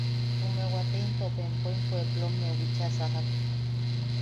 Jume wate into bempoʼim puepplommeu bicha sajak.